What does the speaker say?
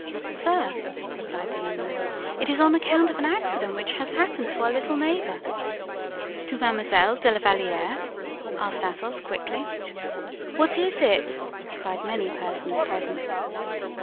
"Sir," replied the young man, "it is on account of an accident which has happened to our little neighbor." "To Mademoiselle de la Valliere?" asked Athos, quickly. "What is it?" cried many persons present.